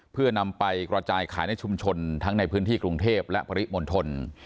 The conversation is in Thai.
เพื่อนำไปกระจายขายในชุมชนทั้งในพื้นที่กรุงเทพและปริมณฑล